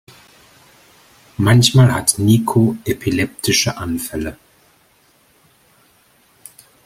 Manchmal hat Niko epileptische Anfälle.